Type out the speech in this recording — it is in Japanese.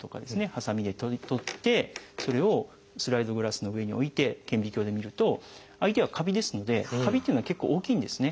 はさみで採ってそれをスライドグラスの上に置いて顕微鏡で見ると相手はカビですのでカビっていうのは結構大きいんですね。